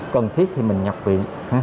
cần thiết thì mình nhập viện